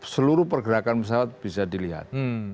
seluruh pergerakan pesawat bisa dilihat